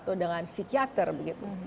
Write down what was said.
atau dengan psikiater begitu